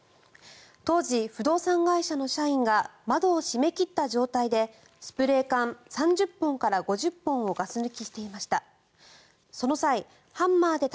当時、不動産会社の社員が窓を閉め切った状態でスプレー缶３０本から５０本をガス抜きしていました。